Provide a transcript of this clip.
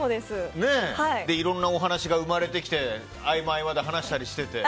いろんなお話が生まれてきて、合間合間で話したりしてて。